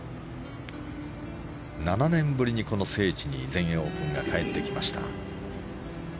７年ぶりに、この聖地に全英オープンが帰ってきました。